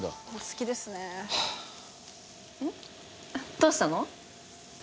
どうしたの？